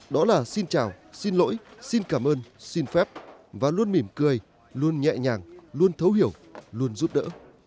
đó là xin chào xin lỗi xin cảm ơn xin phép và luôn mỉm cười luôn nhẹ nhàng luôn thấu hiểu luôn giúp đỡ